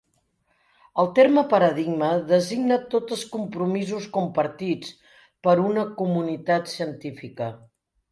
El terme 'paradigma' designa tots els compromisos compartits per una comunitat científica.